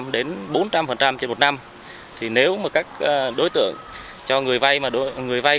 đến bốn trăm linh trên một năm thì nếu mà các đối tượng cho người vay mà người vay